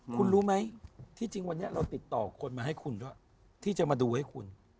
คุณรู้ไหมที่จริงวันนี้เราติดต่อคนมาให้คุณด้วยที่จะมาดูให้คุณ